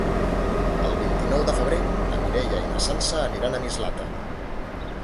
El vint-i-nou de febrer na Mireia i na Sança aniran a Mislata.